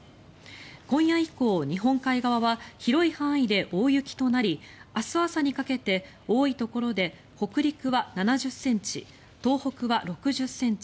今夜以降、日本海側は広い範囲で大雪となり明日朝にかけて、多いところで北陸は７０ｃｍ